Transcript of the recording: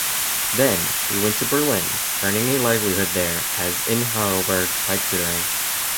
Then, he went to Berlin, earning a livelihood there, as in Heidelberg, by tutoring.